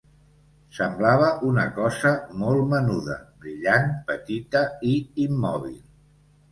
Semblava una cosa molt menuda, brillant, petita i immòbil.